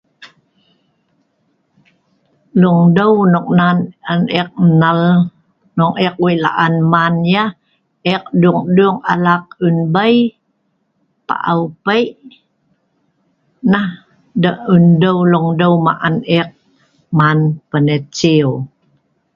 Longdeu nok nan an ek nal hnong ek wei' laan man yah, ek dung-dung alak eunbei, paau pei' nah endeu leongdeu ma an ek man panet siu.